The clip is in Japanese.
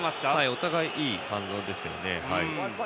お互い、いい反応です。